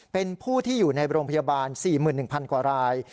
เป็นผู้ที่อยู่ในโรงพยาบาล๔๑๐๐กว่าราย